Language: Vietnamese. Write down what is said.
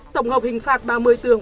tổng hợp hình phạt ba mươi tường